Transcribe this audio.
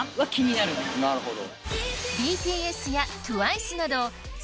なるほど。